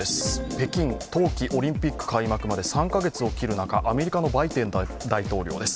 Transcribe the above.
北京冬季オリンピック開幕まで３カ月を切る中、アメリカのバイデン大統領です。